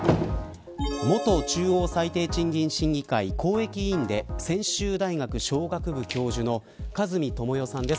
元中央最低賃金審議会公益委員で専修大学商学部教授の鹿住倫世さんです。